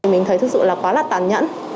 mình thấy thật sự là quá là tàn nhẫn